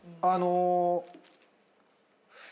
あの。